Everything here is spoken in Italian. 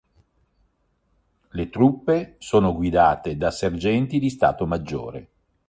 Le truppe sono guidate da sergenti di stato maggiore.